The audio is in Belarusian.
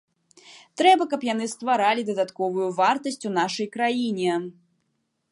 Трэба, каб яны стваралі дадатковую вартасць у нашай краіне.